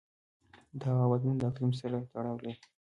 د هوا بدلون د اقلیم سره تړاو لري.